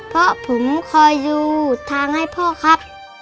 เพราะผมคอยอยู่ทางให้พ่อครับ